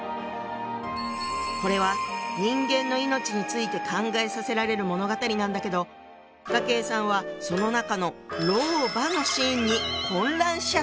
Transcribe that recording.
これは人間の命について考えさせられる物語なんだけど雅馨さんはその中の老婆のシーンに混乱しちゃったの。